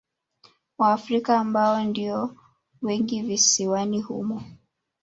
Waafrika ambao ndio wengi visiwani humo